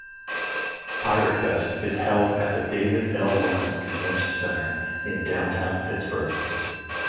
Piratefest is held at the David L. Lawrence Convention Center in downtown Pittsburgh.